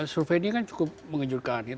survei ini cukup mengejutkan